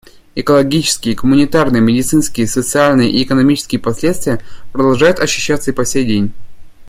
Экологические, гуманитарные, медицинские, социальные и экономические последствия продолжают ощущаться и по сей день.